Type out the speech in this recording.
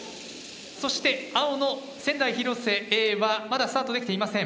そして青の仙台広瀬Ａはまだスタートできていません。